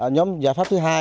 nhóm giải pháp thứ hai